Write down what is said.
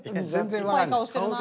酸っぱい顔してるな。